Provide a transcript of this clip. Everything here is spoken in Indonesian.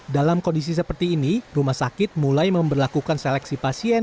dalam kondisi seperti ini rumah sakit mulai memperlakukan seleksi pasien